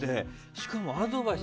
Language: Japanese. しかも、アドバイス。